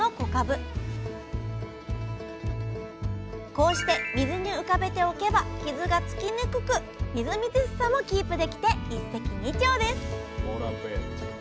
こうして水に浮かべておけば傷がつきにくくみずみずしさもキープできて一石二鳥です